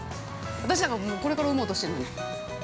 私なんか、これから産もうとしてるのに。